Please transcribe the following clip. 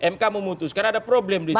mk memutuskan ada problem disitu